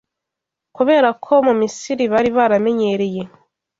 Kubera ko mu Misiri bari baramenyereye